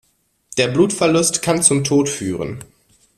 Der Blutverlust kann zum Tod führen.